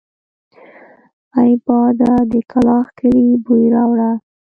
اې باده د کلاخ کلي بوی راوړه!